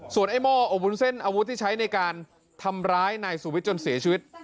ไอ้หม้ออบวุ้นเส้นอาวุธที่ใช้ในการทำร้ายนายสุวิทย์จนเสียชีวิต